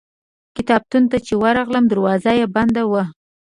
کتابتون ته چې ورغلم دروازه یې بنده وه.